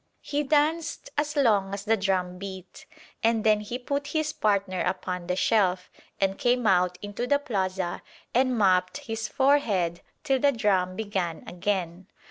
He danced as long as the drum beat, and then he put his partner upon the shelf, and came out into the plaza and mopped his forehead till the drum began again.